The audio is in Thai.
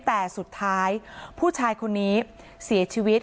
แต่สุดท้ายผู้ชายคนนี้เสียชีวิต